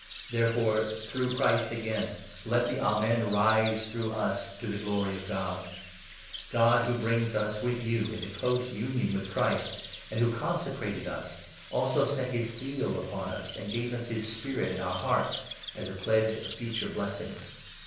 Therefore, through Christ again, let the 'Amen 'rise, through us, totheglory of God. God who brings us, with you, into close union with 21 Christ, and who consecrated us, also set his seal upon us, and 22 gave us his Spirit in our hearts as a pledge of future blessings.